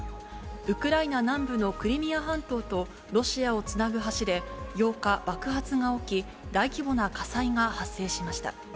ウクライナ南部のクリミア半島とロシアをつなぐ橋で８日、爆発が起き、大規模な火災が発生しました。